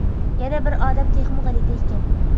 يەنە بىر ئادەم تېخىمۇ غەلىتە ئىكەن.